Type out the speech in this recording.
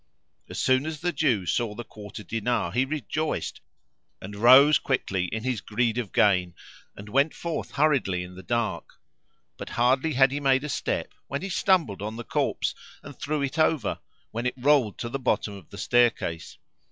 As soon as the Jew saw the quarter dinar he rejoiced and rose quickly in his greed of gain and went forth hurriedly in the dark; but hardly had he made a step when he stumbled on the corpse and threw it over, when it rolled to the bottom of the staircase.